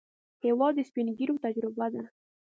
هېواد د سپینږیرو تجربه ده.